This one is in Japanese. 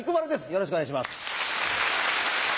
よろしくお願いします。